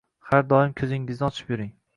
Har doim ko’zingizni ochib yuring.